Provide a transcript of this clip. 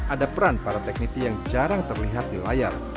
ada peran para teknisi yang jarang terlihat di layar